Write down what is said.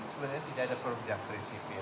sebenarnya tidak ada perbedaan prinsip